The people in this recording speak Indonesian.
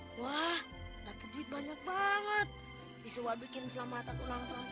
hai wah dapet duit banyak banget bisa bikin selamat ulang tahun sepuluh nih